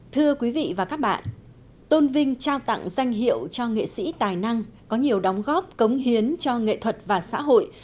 thưa quý vị và các bạn tôn vinh trao tặng danh hiệu cho nghệ sĩ tài năng có nhiều đóng góp cống hiến cho nghệ thuật và xã hội